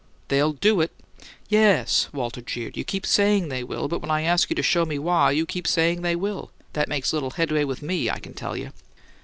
"They'll do it!" "Yes," Walter jeered; "you keep sayin' they will, but when I ask you to show me why, you keep sayin' they will! That makes little headway with ME, I can tell you!"